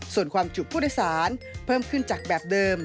ส่วนความจุผู้โดยสารเพิ่มขึ้นจากแบบเดิม